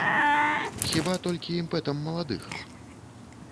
Хіба толькі імпэтам маладых?